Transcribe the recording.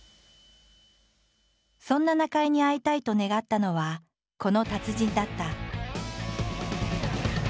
そんな中井に会いたいと願ったのはこの達人だった。